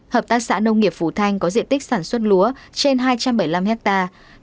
hợp tác xã nông nghiệp phù thanh có diện tích sản xuất lúa trên hai trăm bảy mươi năm hectare